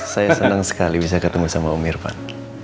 saya senang sekali bisa ketemu sama om irfan